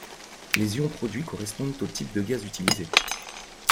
Les ions produits correspondent au type de gaz utilisé.